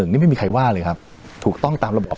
นี่ไม่มีใครว่าเลยครับถูกต้องตามระบบ